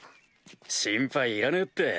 心配いらねえって。